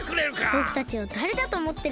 ぼくたちをだれだとおもってるんですか！